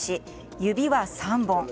指は３本。